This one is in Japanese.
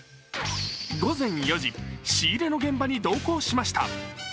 午前４時、仕入れの現場に同行しました。